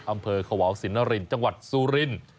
อำเภอขวาวสินนรินจังหวัดซูรินทร์